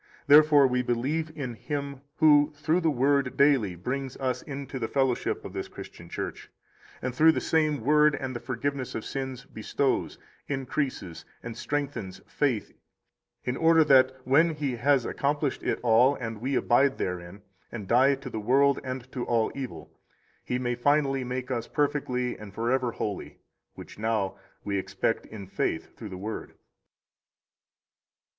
Therefore we believe in Him who through the Word daily brings us into the fellowship of this Christian Church, and through the same Word and the forgiveness of sins bestows, increases, and strengthens faith, in order that when He has accomplished it all, and we abide therein, and die to the world and to all evil, He may finally make us perfectly and forever holy; which now we expect in faith through the Word.